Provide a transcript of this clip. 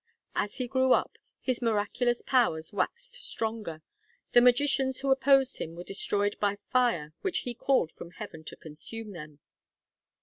As he grew up, his miraculous powers waxed stronger; and magicians who opposed him were destroyed by fire which he called from heaven to consume them.